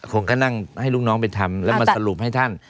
คงก็นั่งให้ลูกน้องไปทำแล้วมาสรุปให้ท่าน